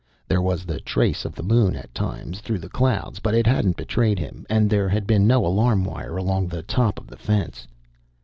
There was the trace of the Moon at times through the clouds, but it hadn't betrayed him, and there had been no alarm wire along the top of the fence.